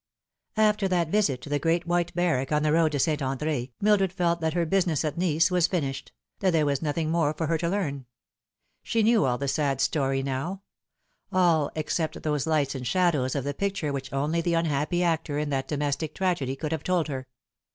AFTER that visit to the great white barrack on the road to St. Andre", Mildred felt that her business at Nice was finished : there was nothing more for her to learn. She knew all the sad story now all, except those lights and shadows of the picture which only the unhappy actor in that domestic tragedy could have told her.